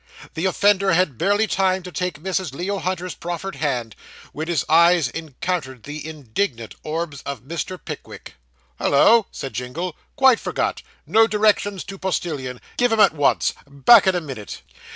The offender had barely time to take Mrs. Leo Hunter's proffered hand, when his eyes encountered the indignant orbs of Mr. Pickwick. 'Hollo!' said Jingle. 'Quite forgot no directions to postillion give 'em at once back in a minute.